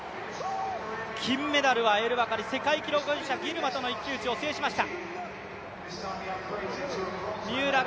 金メダルはエルバカリ、世界記録保持者ギルマとの一騎打ちを制しました。